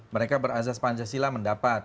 mereka berazas pancasila mendapat